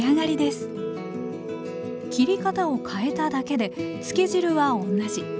切り方を変えただけで漬け汁は同じ。